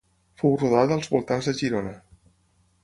Fou rodada als voltants de Girona.